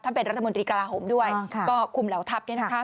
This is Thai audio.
ถ้าเป็นรัฐมนตรีกราหมด้วยก็คุมเหล่าทัพ